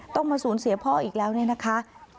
ต้องมาศูนย์เสียพ่ออีกแล้วนะคะ